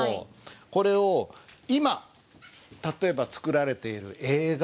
これを今例えば作られている映画。